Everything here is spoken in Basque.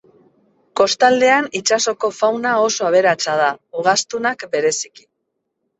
Kostaldean itsasoko fauna oso aberatsa da, ugaztunak bereziki.